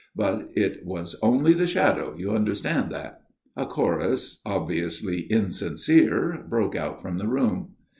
But it was only the shadow you understand that ?" A chorus, obviously insincere, broke out from the room.